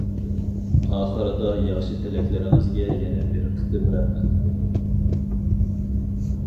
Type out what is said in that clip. ئاخىرىدا ياخشى تىلەكلىرىڭىزگە يەنە بىر قېتىم رەھمەت!